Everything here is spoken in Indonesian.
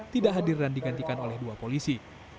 tidak hadir dan digantikan oleh dua polisi